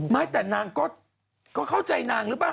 ไม่แต่นางก็เข้าใจนางหรือเปล่า